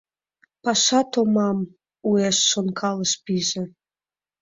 — Паша томам... — уэш шонкалаш пиже.